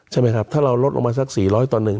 ใช่ไหมครับถ้าเราลดออกมาสัก๔๐๐ตัวหนึ่ง